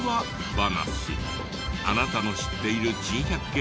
話あなたの知っている珍百景